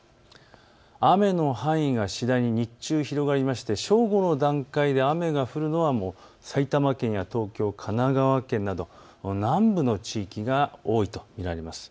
雨の範囲が次第に日中広がりまして正午の段階で雨が降るのは埼玉県や東京、神奈川県など南部の地域が多いということになります。